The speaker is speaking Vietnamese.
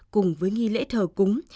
cùng với nghi lễ thờ cúng